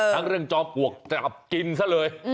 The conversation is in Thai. ทั้งเรื่องจอบกวกจับกินซะเลย